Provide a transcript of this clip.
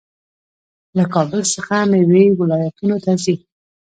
له کابل څخه میوې ولایتونو ته ځي.